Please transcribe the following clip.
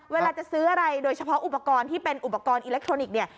เวลาจะซื้ออะไรโดยเฉพาะอุปกรณ์ที่เป็นอุปกรณ์อิเล็กทรอนิกส์เนี่ย